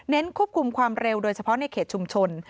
ควบคุมความเร็วโดยเฉพาะในเขตชุมชน